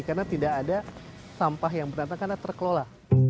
karena tidak ada sampah yang berantakan atau terkelola